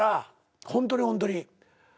ホントにホントに。